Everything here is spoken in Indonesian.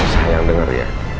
sayang denger ya